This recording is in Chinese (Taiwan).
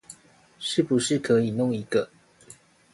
是不是可以弄一個